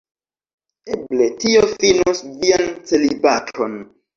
Eble tio finus vian celibaton.